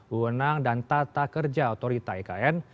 wewenang dan tata kerja otorita ikn